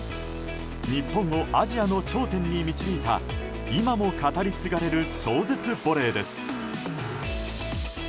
日本をアジアの頂点に導いた今も語り継がれる超絶ボレーです。